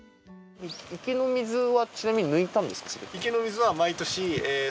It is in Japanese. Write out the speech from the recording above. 池の水はちなみに抜いたんですか？